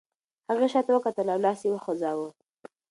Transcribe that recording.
هغې شاته وکتل او لاس یې وخوځاوه.